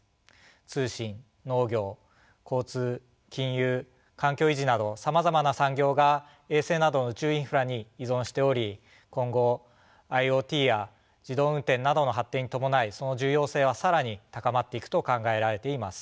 通信農業交通金融環境維持などさまざまな産業が衛星などの宇宙インフラに依存しており今後ＩｏＴや自動運転などの発展に伴いその重要性は更に高まっていくと考えられています。